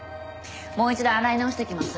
もう一度洗い直してきます。